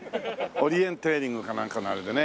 オリエンテーリングかなんかのあれでね。